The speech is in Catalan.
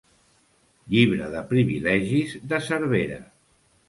Llibre de privilegis de Cervera.